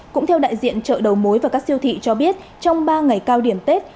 cũng theo đại diện chợ đầu mối và các siêu thị cho biết trong ba ngày cao điểm tết